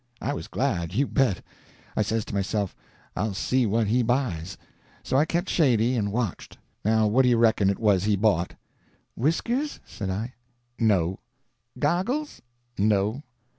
I was glad, you bet. I says to myself, I'll see what he buys. So I kept shady, and watched. Now what do you reckon it was he bought?" "Whiskers?" said I. "No." "Goggles?" "No."